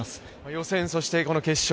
予選、そしてこの決勝。